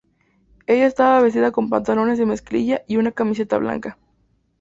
Ella estaba vestida con pantalones de mezclilla y una camiseta blanca.